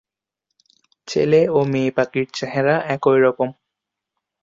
ছেলে ও মেয়ে পাখির চেহারা একই রকম।